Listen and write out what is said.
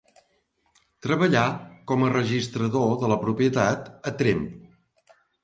Treballà com a registrador de la propietat a Tremp.